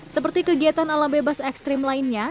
seperti kegiatan alam bebas ekstrim lainnya